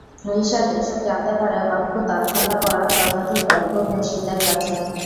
রিশাদ এসব জানতে পারে অদ্ভুত আলখাল্লা পরা ততোধিক অদ্ভুত নুষিতের কাছে।